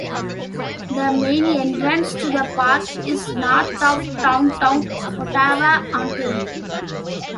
The main entrance to the park is north of downtown Ottawa, Ontario.